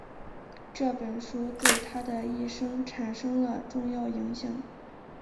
这本书对他的一生产生了重要影响。